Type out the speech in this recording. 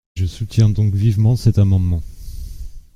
Je soutiens donc vivement cet amendement.